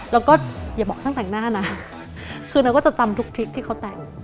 แล้วก็อย่าบอกช่างแต่งหน้านะคือเราก็จะจำทุกทริปที่เขาแต่ง